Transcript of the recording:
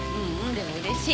でもうれしい。